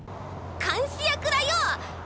監視役だよ！